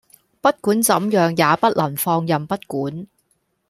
不管怎樣也不能放任不管